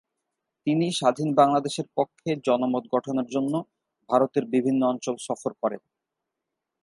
তিনি স্বাধীন বাংলাদেশের পক্ষে জনমত গঠনের জন্য ভারতের বিভিন্ন অঞ্চল সফর করেন।